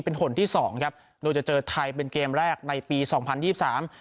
เป็นหนที่สองครับโดยจะเจอไทยเป็นเกมแรกในปีสองพันยี่สิบสาม